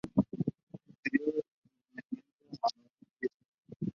The problem appears to be one of competence.